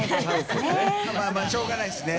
しょうがないですね。